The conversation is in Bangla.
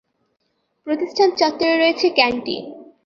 প্রতিষ্ঠান চত্বরে রয়েছে ক্যান্টিন।